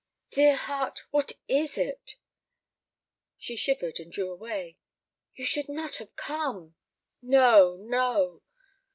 "Dear heart, what is it?" She shivered and drew away. "You should not have come—" "No, no."